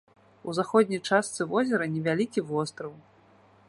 У заходняй частцы возера невялікі востраў.